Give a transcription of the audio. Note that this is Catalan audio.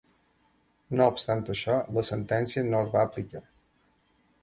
No obstant això, la sentència no es va aplicar.